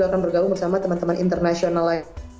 akan bergabung bersama teman teman internasional lain